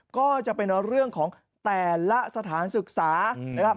ก็จะเป็นเรื่องของแต่ละสถานศึกษานะครับ